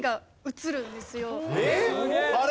あれ！？